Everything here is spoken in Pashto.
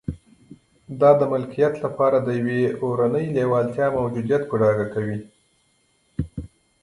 دا د ملکیت لپاره د یوې اورنۍ لېوالتیا موجودیت په ډاګه کوي